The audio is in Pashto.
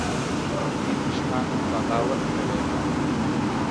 قومي مشرانو بغاوت کړی وو.